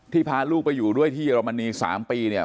พาลูกไปอยู่ด้วยที่เยอรมนี๓ปีเนี่ย